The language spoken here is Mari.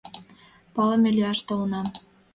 Палыме лияш толынам.